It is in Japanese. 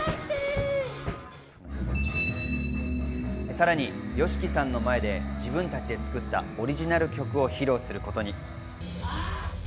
さらに、ＹＯＳＨＩＫＩさんの前で自分たちで作ったオリジナル曲を披露することに。